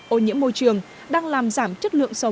ô nhiễm môi trường đang làm giảm chất lượng